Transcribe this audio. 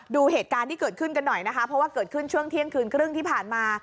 ดูเหตุการณ์ที่เกิดขึ้นกันหน่อยนะคะเพราะว่าเกิดขึ้นช่วงเที่ยงคืนครึ่งที่ผ่านมา